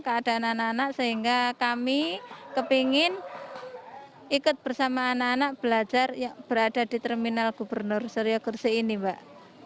keadaan anak anak sehingga kami kepingin ikut bersama anak anak belajar yang berada di terminal gubernur suryo gersi ini mbak